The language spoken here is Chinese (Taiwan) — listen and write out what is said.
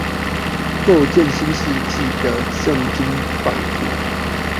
構建新世紀的政經版圖